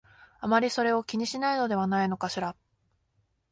あまりそれを気にしないのではないかしら